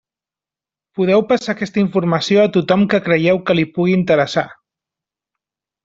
Podeu passar aquesta informació a tothom que creieu que li pugui interessar.